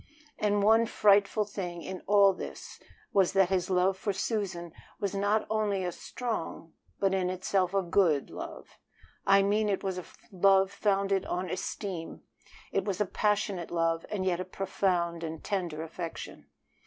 And one frightful thing in all this was that his love for Susan was not only a strong but in itself a good love. I mean it was a love founded on esteem; it was a passionate love, and yet a profound and tender affection.